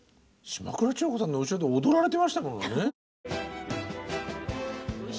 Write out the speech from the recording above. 島倉千代子さんの後ろで踊られてましたものね。